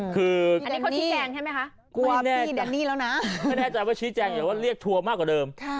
ก็แน่ใจว่าชีแต่ว่าเรียกทัวว์มากกว่าเดิม